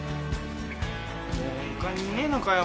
もう他にいねえのかよ。